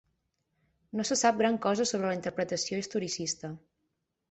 No se sap gran cosa sobre la interpretació historicista.